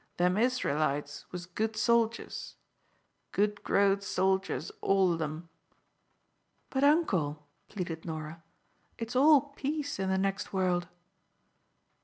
Them Israelites was good soldiers good growed soldiers, all of 'em." "But, uncle," pleaded Norah, "it's all peace in the next world."